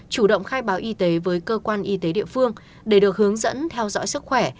chủ động khai báo y tế với cơ quan y tế địa phương để được hướng dẫn theo dõi sức khỏe